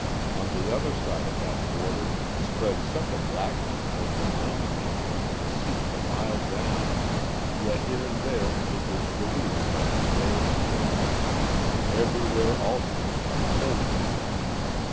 On the other side of that border spread such a blackness as the mind imagines for the sea a mile down, yet here and there it was relieved by the gray of stone; everywhere, also, a coldness.